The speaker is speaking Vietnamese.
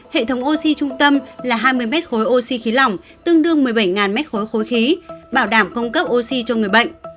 hệ thống oxy trung tâm là hai mươi mét khối oxy khí lỏng tương đương một mươi bảy m ba khối khí bảo đảm cung cấp oxy cho người bệnh